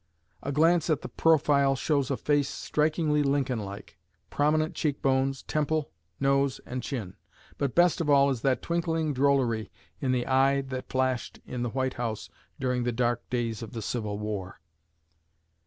A glance at the profile shows a face strikingly Lincoln like, prominent cheek bones, temple, nose, and chin; but best of all is that twinkling drollery in the eye that flashed in the White House during the dark days of the Civil War."